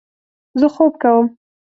زه خوب کوم